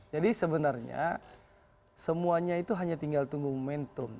jadi sebenarnya semuanya itu hanya tinggal tunggu momentum